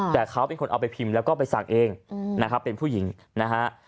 แต่เขาเป็นคนเอาไปพิมพ์แล้วก็ไปสั่งเองนะครับเป็นผู้หญิงนะฮะ